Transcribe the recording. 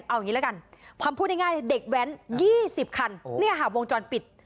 เอาอย่างงี้แล้วกันความพูดง่ายง่ายเด็กแว้นยี่สิบคันเนี่ยหาวงจรปิด